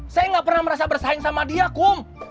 saya nggak pernah merasa bersaing sama dia kom